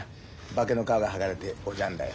化けの皮が剥がれておじゃんだよ。